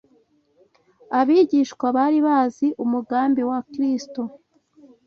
Abigishwa bari bazi umugambi wa Kristo